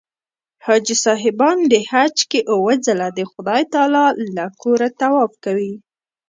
حاجي صاحبان په حج کې اووه ځله د خدای تعلی له کوره طواف کوي.